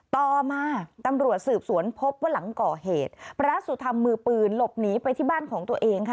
ต่อมาตำรวจสืบสวนพบว่าหลังก่อเหตุพระสุธรรมมือปืนหลบหนีไปที่บ้านของตัวเองค่ะ